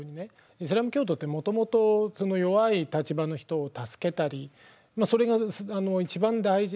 イスラーム教徒ってもともとその弱い立場の人を助けたりそれが一番大事な道徳なんです。